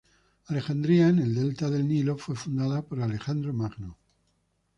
Alejandría, en el delta del Nilo, fue fundada por Alejandro Magno.